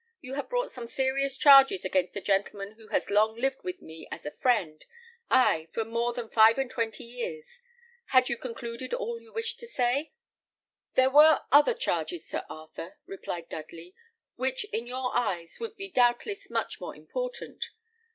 You have brought some serious charges against a gentleman who has long lived with me as a friend, ay, for more than five and twenty years. Had you concluded all you wished to say?" "There were other charges, Sir Arthur," replied Dudley, "which in your eyes would be doubtless much more important.